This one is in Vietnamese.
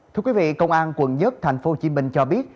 thưa quý vị công an quận một tp hcm cho biết